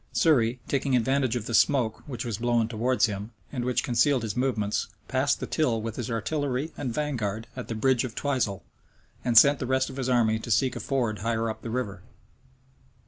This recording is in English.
Surrey, taking advantage of the smoke, which was blown towards him, and which concealed his movements, passed the Till with his artillery and vanguard at the bridge of Twisel, and sent the rest of his army to seek a ford higher up the river.